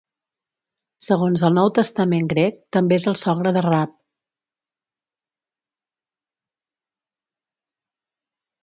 Segons el Nou Testament grec, també és el sogre de Raab.